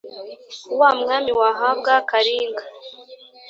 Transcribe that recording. wa mwami wahabwa karinga